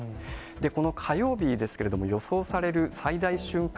この火曜日ですけれども、予想される最大瞬間